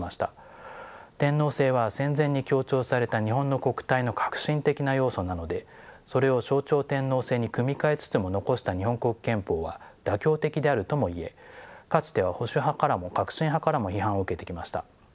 天皇制は戦前に強調された日本の国体の核心的な要素なのでそれを象徴天皇制に組み替えつつも残した日本国憲法は妥協的であるともいえかつては保守派からも革新派からも批判を受けてきました。